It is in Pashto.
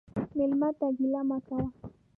مېلمه ته ګیله مه کوه.